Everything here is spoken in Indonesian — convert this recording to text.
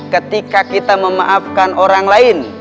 ketika kita memaafkan orang lain